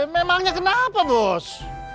memangnya kenapa bos